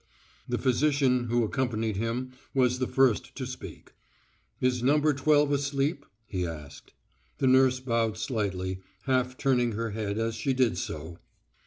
The physician who accompanied him was the first to speak. "Is No. Twelve asleep?" he asked. The nurse bowed slightly, half turning her head as she did so.